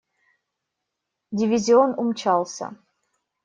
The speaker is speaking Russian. Дивизион умчался.